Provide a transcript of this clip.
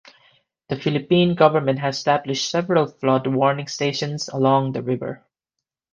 The Philippine government has established several flood warning stations along the river.